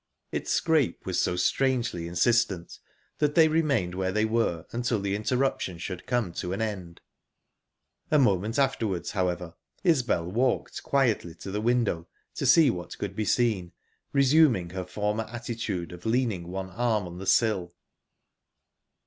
Its scrape was so strangely insistent that they remained where they were until the interruption should come to an end; a moment afterwards, however, Isbel walked quietly to the window to see what could be seen, resuming her former attitude of leaning one arm on the sill.